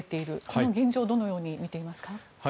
この現状をどのように見ていますか。